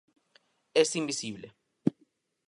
Es invisible.